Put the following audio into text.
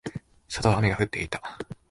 外は雨が降っていた。